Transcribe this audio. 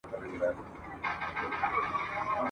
نه مي نظم سوای لیکلای نه مي توري سوای لوستلای !.